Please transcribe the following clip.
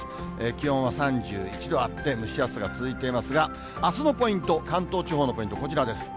気温は３１度あって、蒸し暑さが続いていますが、あすのポイント、関東地方のポイント、こちらです。